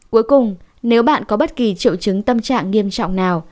cuối cùng nếu bạn có bất kỳ triệu chứng tâm trạng nghiêm trọng nào